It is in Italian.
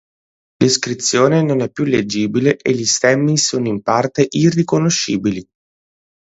L'iscrizione non è più leggibile e gli stemmi sono in parte irriconoscibili.